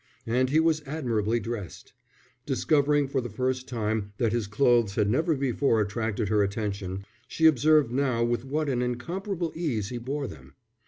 And he was admirably dressed. Discovering for the first time that his clothes had never before attracted her attention, she observed now with what an incomparable ease he bore them.